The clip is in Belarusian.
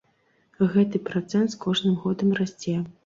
Гэты працэнт з кожным годам расце.